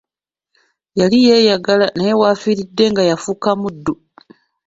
Yali yeeyagala naye w'afiiridde nga yafuuka muddu.